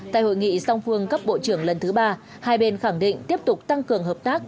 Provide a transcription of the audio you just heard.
tại hội nghị song phương cấp bộ trưởng lần thứ ba hai bên khẳng định tiếp tục tăng cường hợp tác